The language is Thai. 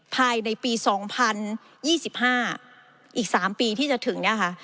ภายในปี๒๐๒๕อีก๓ปีที่จะถึงเนี่ยค่ะ